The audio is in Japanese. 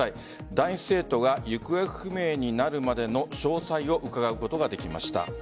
男子生徒が行方不明になるまでの詳細を伺うことができました。